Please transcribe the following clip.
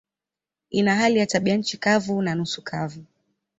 Ina hali ya tabianchi kavu na nusu kavu.